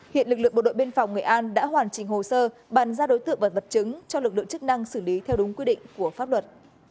hiện lực lượng bộ đội biên phòng nghệ an đã hoàn chỉnh hồ sơ bàn ra đối tượng và vật chứng cho lực lượng chức năng xử lý theo đúng quy định của pháp luật